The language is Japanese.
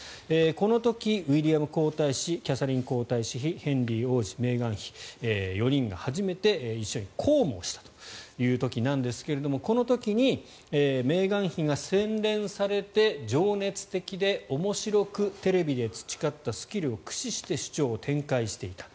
この時、ウィリアム皇太子キャサリン皇太子妃ヘンリー王子、メーガン妃４人が初めて一緒に公務をしたという時ですがこの時にメーガン妃が洗練されて情熱的で面白くテレビで培ったスキルを駆使して主張を展開していた。